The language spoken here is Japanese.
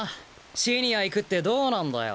シニア行くってどうなんだよ。